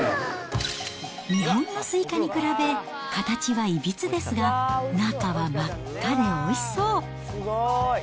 日本のスイカに比べ、形はいびつですが、中は真っ赤でおいしそう。